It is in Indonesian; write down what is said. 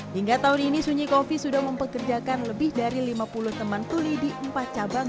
hingga tahun ini sunyi kopi sudah mempekerjakan lebih dari lima puluh teman tuli di empat cabang